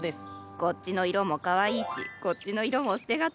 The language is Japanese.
こっちの色もかわいいしこっちの色も捨て難いな。